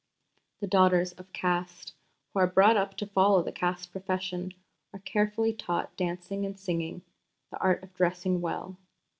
... "The daughters of the Caste who are brought up to follow the Caste profession are carefully taught dancing and singing, the art of dressing well